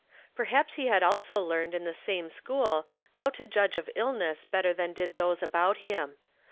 Perhaps he had also learned in the same school how to judge of illness better than did those al)out him.